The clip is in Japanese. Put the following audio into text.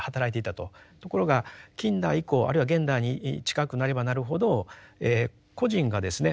ところが近代以降あるいは現代に近くなればなるほど個人がですね